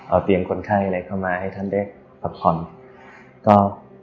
เอาเตียงคนไข้อะไรเข้ามาให้ท่านได้พักผ่อนก็